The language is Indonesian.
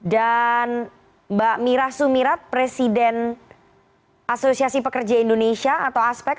dan mbak mira sumirat presiden asosiasi pekerja indonesia atau aspek